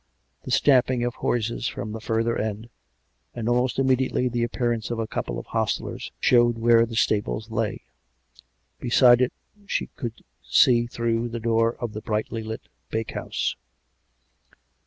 The stamping of horses from the further end; and, almost im mediately, the appearance of a couple of hosrtlers, showed where the stables lay. Beside it she could see through the door of the brightly lit bake house.